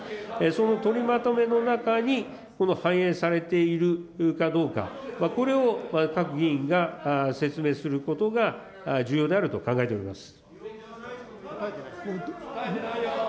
その取りまとめの中に、反映されているかどうか、これを各議員が説明することが重要であると考えております。